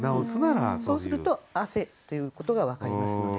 そうすると「汗」ということが分かりますので。